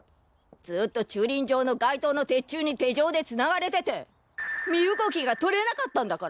ずっと駐輪場の外灯の鉄柱に手錠で繋がれてて身動きが取れなかったんだから！